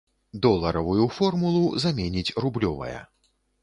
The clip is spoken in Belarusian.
Доларавую формулу заменіць рублёвая.